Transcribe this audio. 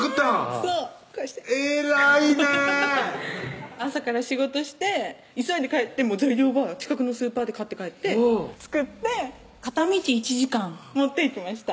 そうこうして偉いね朝から仕事して急いで帰って材料ば近くのスーパーで買って帰って作って片道１時間持っていきました